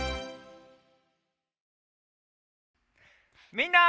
みんな！